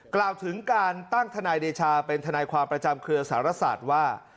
กล่าวถึงการตั้งทนายเดชาเป็นทนายความประจำเครือสารศาสตร์ว่า